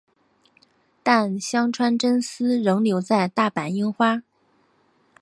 但香川真司仍留在大阪樱花。